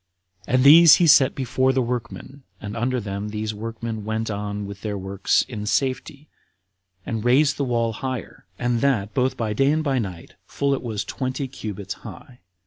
And these he set before the workmen, and under them these workmen went on with their works in safety, and raised the wall higher, and that both by day and by night, till it was twenty cubits high.